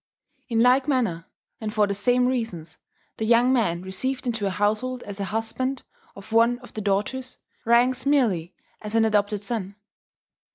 In like manner, and for the same reasons, the young man received into a household as a husband of one of the daughters, ranks merely as an adopted son.